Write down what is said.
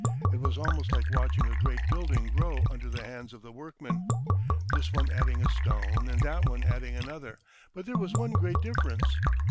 It was almost like watching a great building grow under the hands of the workmen, this one adding a stone and that one adding another; but there was one great difference.